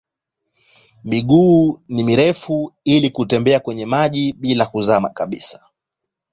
Miguu ni mirefu ili kutembea kwenye maji bila kuzama kabisa.